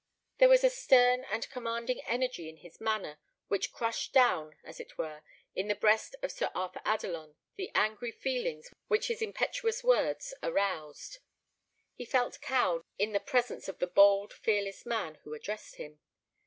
There was a stern and commanding energy in his manner which crushed down, as it were, in the breast of Sir Arthur Adelon the angry feelings which his impetuous words aroused. He felt cowed in the presence of the bold, fearless man who addressed him.